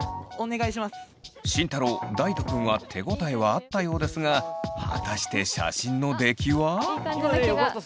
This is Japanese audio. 慎太郎大翔くんは手応えはあったようですが果たして写真の出来は？いい感じな気が。